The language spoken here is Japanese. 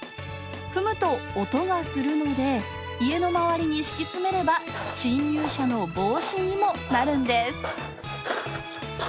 踏むと音がするので家の周りに敷き詰めれば侵入者の防止にもなるんです。